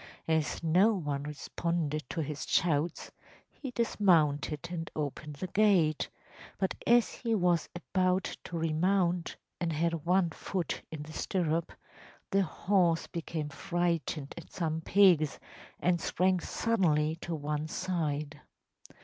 As no one responded to his shouts he dismounted and opened the gate, but as he was about to remount, and had one foot in the stirrup, the horse became frightened at some pigs and sprang suddenly to one side.